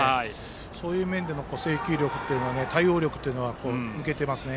そういう面でも制球力対応力というのは抜けていますね。